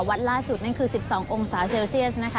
ล่าสุดนั่นคือ๑๒องศาเซลเซียสนะคะ